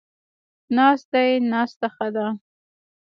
ناست دی، ناسته ښه ده